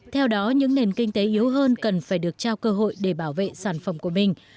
theo đó những nền kinh tế yếu hơn cần phải được trao cơ hội để bảo vệ sản phẩm của mình